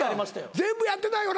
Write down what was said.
全部やってないよな？